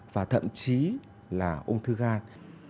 và thậm chí là ung thư gan